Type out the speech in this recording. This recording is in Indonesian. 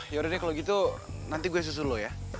yaudah deh kalau gitu nanti gue susun lo ya